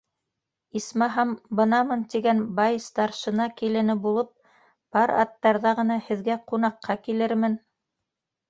Исмаһам, бынамын тигән бай старшина килене булып, пар аттарҙа ғына һеҙгә ҡунаҡҡа килермен.